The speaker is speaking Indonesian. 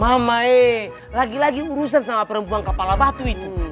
mamai lagi lagi urusan sama perempuan kepala batu itu